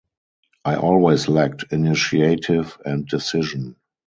I always lacked initiative and decision.